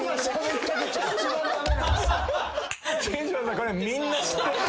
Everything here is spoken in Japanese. これみんな知ってます。